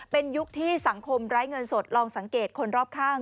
เป็นยุคที่สังคมไร้เงินสดลองสังเกตคนรอบข้าง